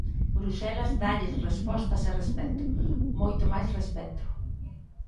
Bruxelas dálles respostas e respecto, moito máis respecto.